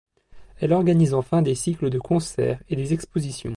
Elle organise enfin des cycles de concerts et des expositions.